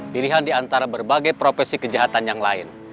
pilihan di antara berbagai profesi kejahatan yang lain